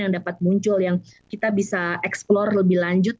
yang dapat muncul yang kita bisa eksplore lebih lanjut